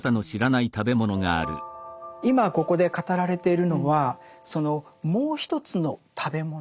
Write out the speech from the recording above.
今ここで語られているのはそのもう一つの食べ物